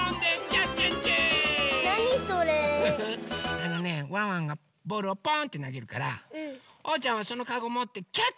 あのねワンワンがボールをポーンとなげるからおうちゃんはそのかごもってキャッチしてください。